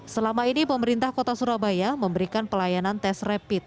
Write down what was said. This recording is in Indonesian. selama ini pemerintah kota surabaya memberikan pelayanan tes rapid